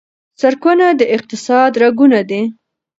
سرکونه د اقتصاد رګونه دي.